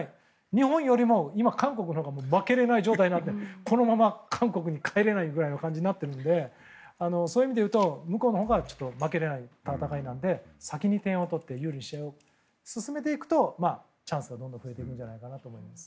日本より今、韓国のほうが負けられない状態なのでこのまま韓国に帰れないぐらいの感じになってるのでそういう意味でいうと向こうのほうが負けられない戦いなので先に点を取って有利に試合を進めていくとチャンスがどんどん増えていくんじゃないかなと思います。